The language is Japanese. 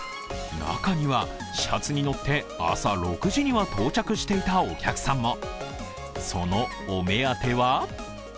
中には、始発に乗って朝６時には到着していたお客さんも。